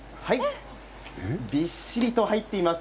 びっしりと入っています。